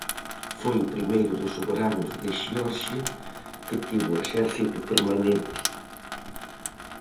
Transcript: Foi o primeiro dos soberanos de Xeorxia que tivo exército permanente.